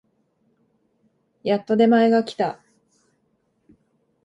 やっと出前が来た